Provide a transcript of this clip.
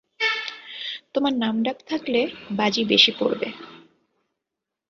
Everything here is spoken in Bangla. তোমার নামডাক থাকলে, বাজি বেশি পড়বে।